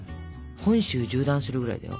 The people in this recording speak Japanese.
本州縦断するぐらいだよ。